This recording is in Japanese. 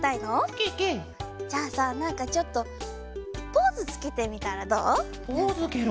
ケケ！じゃあさなんかちょっとポーズつけてみたらどう？